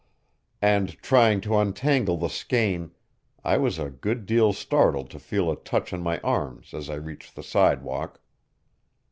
And trying to untangle the skein, I was a good deal startled to feel a touch on my arm as I reached the sidewalk.